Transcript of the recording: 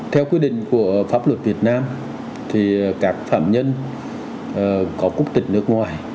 theo quyết định của pháp luật việt nam thì các phạm nhân có quốc tịch nước ngoài